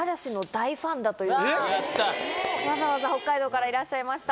わざわざ北海道からいらっしゃいました。